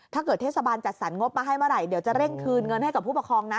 ถ้าเกิดเทศบาลจัดสรรงบมาให้เมื่อไหร่เดี๋ยวจะเร่งคืนเงินให้กับผู้ปกครองนะ